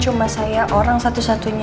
cuma saya orang satu satunya